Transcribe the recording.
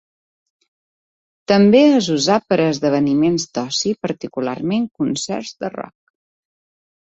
També és usat per a esdeveniments d'oci, particularment concerts de rock.